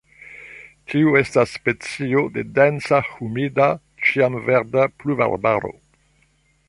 Tiu estas specio de densa humida ĉiamverda pluvarbaro.